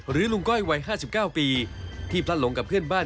ลุงก้อยวัย๕๙ปีที่พลัดหลงกับเพื่อนบ้าน